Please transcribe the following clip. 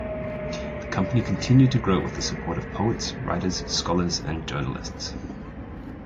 The company continued to grow with the support of poets, writers, scholars and journalists.